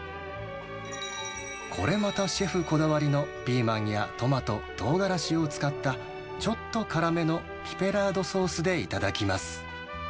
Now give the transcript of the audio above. これまたシェフこだわりのピーマンやトマト、トウガラシを使った、ちょっと辛めのピペラードソースで頂きます。